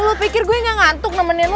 lo pikir gue gak ngantuk nemenin lo